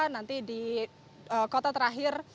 nanti di kota terakhir